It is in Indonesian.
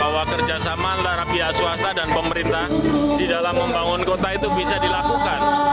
bahwa kerjasama antara pihak swasta dan pemerintah di dalam membangun kota itu bisa dilakukan